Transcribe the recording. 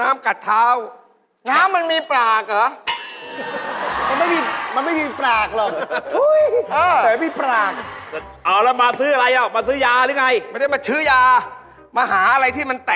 อ้าวถามว่าที่แผงที่เท้านี่ไปโดนอะไรมา